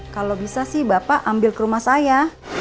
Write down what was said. kalau bisa sih bapak ambil ke rumah saya